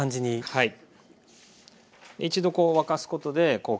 はい。